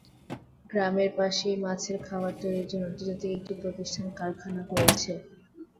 গ্রামের পাশেই মাছের খাবার তৈরির জন্য আন্তর্জাতিক একটি প্রতিষ্ঠান কারখানা করেছে।